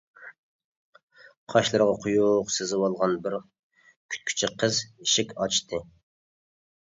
قاشلىرىغا قويۇق سىزىۋالغان بىر كۈتكۈچى قىز ئىشىك ئاچتى.